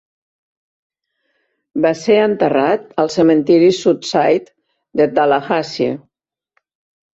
Va ser enterrat al cementiri Southside de Tallahassee.